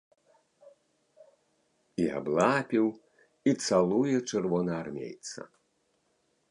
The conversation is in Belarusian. І аблапіў, і цалуе чырвонаармейца.